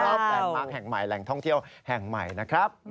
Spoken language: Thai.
แหล่งมาร์คแห่งใหม่แหล่งท่องเที่ยวแห่งใหม่นะครับ